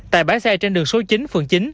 tại bãi xe trên đường số chín phường chín